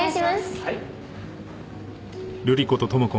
はい。